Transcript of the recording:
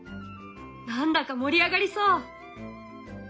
何だか盛り上がりそう！